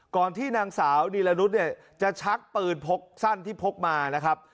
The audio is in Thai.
ก่อนที่นางสาวนีรนุษย์เนี่ยจะชักปืนพกสั้นที่พกมานะครับ